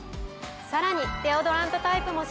さらにデオドラントタイプも新発売！